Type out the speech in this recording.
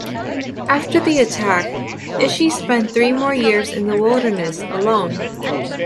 After the attack, Ishi spent three more years in the wilderness, alone.